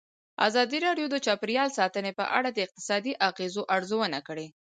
ازادي راډیو د چاپیریال ساتنه په اړه د اقتصادي اغېزو ارزونه کړې.